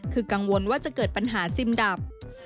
คือกังวลว่าจะเกิดปัญหาซิมดับ